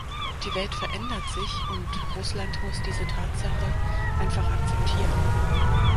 Die Welt verändert sich, und Russland muss diese Tatsache einfach akzeptieren.